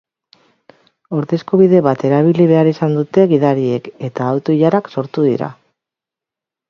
Ordezko bide bat erabili behar izan dute gidariek, eta auto-ilarak sortu dira.